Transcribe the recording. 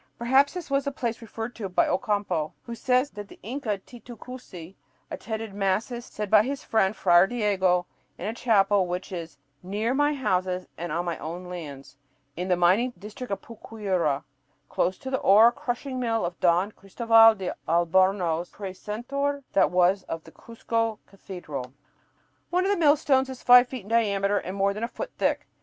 Perhaps this was the place referred to by Ocampo, who says that the Inca Titu Cusi attended masses said by his friend Friar Diego in a chapel which is "near my houses and on my own lands, in the mining district of Puquiura, close to the ore crushing mill of Don Christoval de Albornoz, Precentor that was of the Cuzco Cathedral." FIGURE Pucyura and the Hill of Rosaspata in the Vilcabamba Valley One of the millstones is five feet in diameter and more than a foot thick.